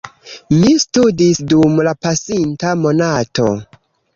Mi studis dum la pasinta monato.